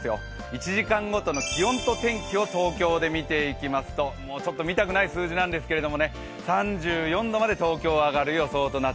１時間ごとの気温と天気を東京で見ていきますともうちょっと見たくない数字なんですが３４度まで東京上がる予想です。